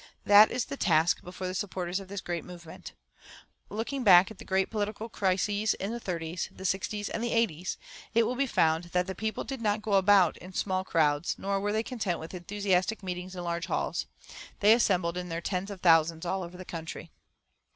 That is the task before the supporters of this great movement. Looking back at the great political crises in the thirties, the sixties and the eighties, it will be found that the people did not go about in small crowds, nor were they content with enthusiastic meetings in large halls; they assembled in their tens of thousands all over the country.